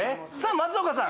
松岡さん